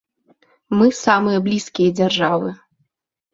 Мы самыя блізкія дзяржавы.